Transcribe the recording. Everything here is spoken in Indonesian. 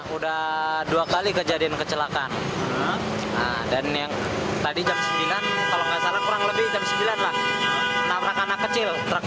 udah dua kali kejadian kecelakaan dan yang tadi